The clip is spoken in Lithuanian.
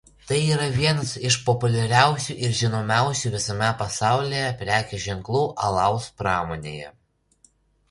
Tai yra vienas iš populiariausių ir žinomiausių visame pasaulyje prekės ženklų alaus pramonėje.